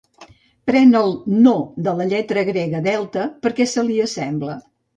Pren el no de la lletra grega delta perquè se li assembla.